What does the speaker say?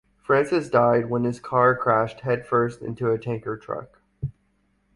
Francis died when his car crashed head first into a tanker truck.